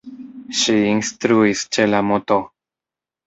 Ŝi instruis ĉe la "Mt.